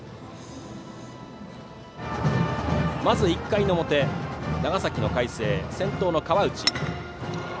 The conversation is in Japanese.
まず１回の表、長崎の海星先頭の河内。